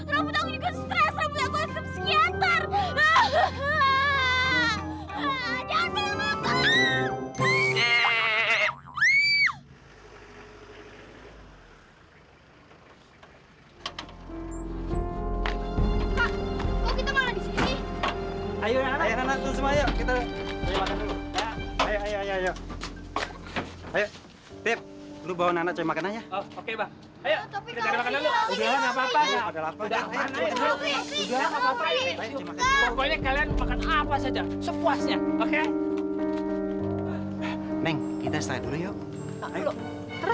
sampai jumpa di video selanjutnya